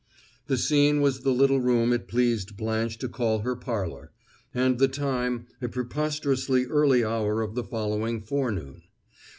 The scene was the little room it pleased Blanche to call her parlor, and the time a preposterously early hour of the following forenoon.